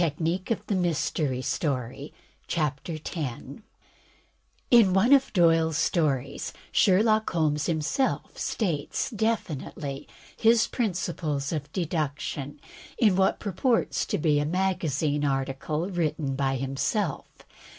CHAPTER X THE RATIONALE OF RATIOCINATION In one of Doyle's stories, Sherlock Holmes himself states definitely his principles of deduction in what purports to be a magazine article written by himself.